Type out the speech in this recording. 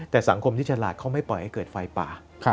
แต่สังคมที่ฉลาดเขาไม่ปล่อยให้เกิดไฟป่า